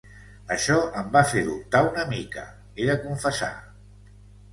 Això em va fer dubtar una mica, he de confessar.